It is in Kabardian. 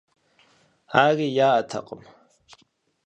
Ари яӏэтэкъым.